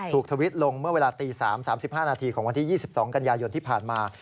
ทวิตลงเมื่อเวลาตี๓๓๕นาทีของวันที่๒๒กันยายนที่ผ่านมา